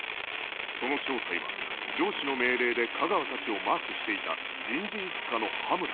その正体は上司の命令で架川たちをマークしていた人事一課の羽村